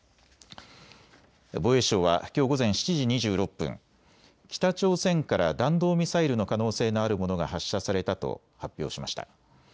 防衛省はきょう午前７時２６分、北朝鮮から弾道ミサイルの可能性のあるものが発射されたと発表しました。